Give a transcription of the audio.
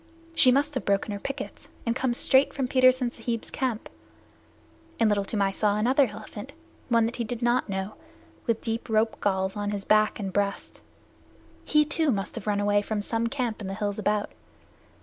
She must have broken her pickets and come straight from Petersen Sahib's camp; and Little Toomai saw another elephant, one that he did not know, with deep rope galls on his back and breast. He, too, must have run away from some camp in the hills about.